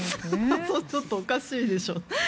ちょっとおかしいでしょう。